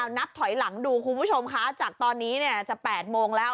นับถอยหลังดูคุณผู้ชมคะจากตอนนี้เนี่ยจะ๘โมงแล้ว